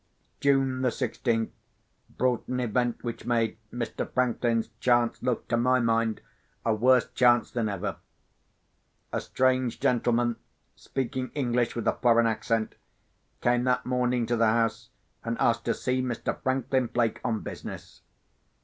June the sixteenth brought an event which made Mr. Franklin's chance look, to my mind, a worse chance than ever. A strange gentleman, speaking English with a foreign accent, came that morning to the house, and asked to see Mr. Franklin Blake on business.